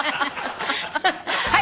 はい。